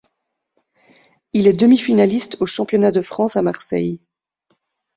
Il est demi-finaliste au championnat de France à Marseille.